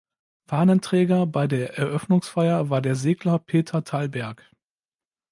Fahnenträger bei der Eröffnungsfeier war der Segler Peter Tallberg.